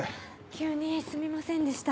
急にすみませんでした。